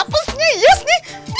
apesnya yes nih